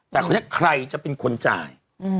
แต่คนนี้ใครจะเป็นคนจ่าย